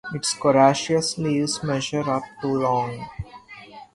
Its coriaceous leaves measure up to long.